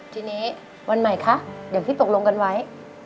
ทีนี้วันใหม่ค่ะเดี๋ยวคิดตกลงกันไว้